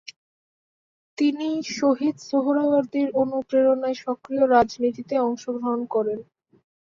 তিনি শহীদ সোহরাওয়ার্দীর অনুপ্রেরণায় সক্রিয় রাজনীতিতে অংশ গ্রহণ করেন।